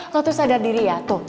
kau tuh sadar diri ya tuh